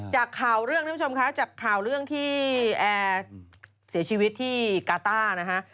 จากข่าวเรื่องที่แอร์เสียชีวิตที่กาต้านะฮะ